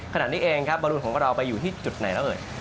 ขณะนี้เองครับบรุนของเราไปอยู่ที่จุดไหนแล้วเอ่ย